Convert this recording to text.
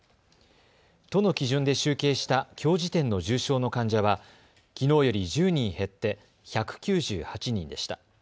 都の基準で集計したきょう時点の重症の患者はきのうより１０人減って１９８人でした。